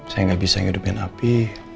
saya gak bisa menghidupkan api